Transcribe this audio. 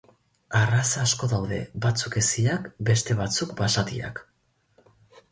Arraza asko daude, batzuk heziak, beste batzuk basatiak.